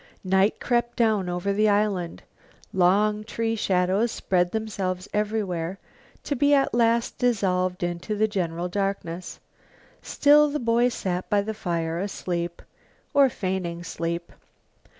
Night crept down over the island. Long tree shadows spread themselves everywhere, to be at last dissolved into the general darkness. Still the boy sat by the fire, asleep, or feigning sleep.